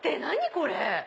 これ。